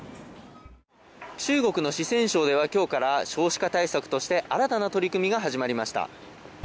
中国の四川省では今日から少子化対策として新たな取り組みが始まりました。